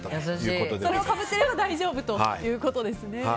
それをかぶっていれば大丈夫ということですね。